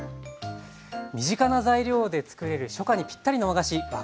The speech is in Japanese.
身近な材料でつくれる初夏にぴったりの和菓子若あゆ。